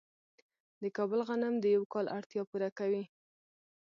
د کابل غنم د یو کال اړتیا پوره کوي.